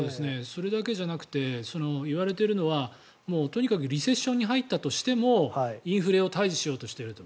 それだけじゃなくていわれているのはとにかくリセッションに入ったとしてもインフレを退治しようとしていると。